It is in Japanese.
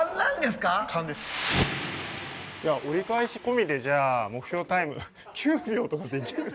折り返し込みで目標タイム９秒とかできる？